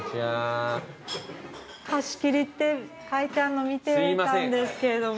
貸し切りって書いてあるの見てたんですけれども。